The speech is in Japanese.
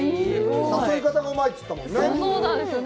誘い方がうまいって言ってたね。